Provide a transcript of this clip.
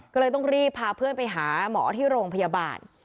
ก็เลยต้องรีบพาเพื่อนไปหาหมอที่โรงพยาบาล